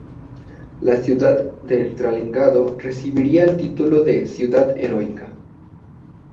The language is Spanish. La ciudad de Stalingrado recibiría el título de "Ciudad Heroica".